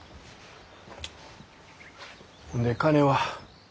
ほんで金は？